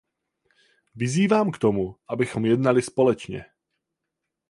Vyzývám k tomu, abychom jednali společně!